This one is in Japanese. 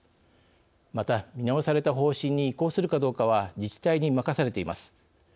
また、見直された方針に移行するかどうかは自治体に任されています。